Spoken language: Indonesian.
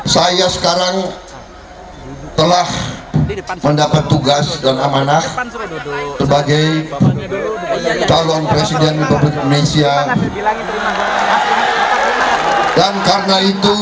saya sekarang telah mendapat tugas dan amanah sebagai calon presiden republik indonesia